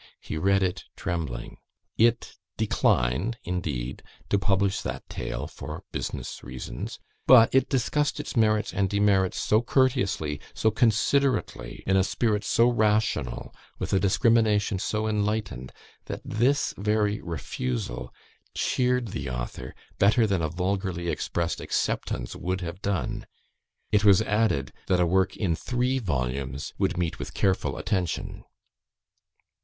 He read it trembling. It declined, indeed, to publish that tale, for business reasons, but it discussed its merits and demerits, so courteously, so considerately, in a spirit so rational, with a discrimination so enlightened, that this very refusal cheered the author better than a vulgarly expressed acceptance would have done. It was added, that a work in three volumes would meet with careful attention."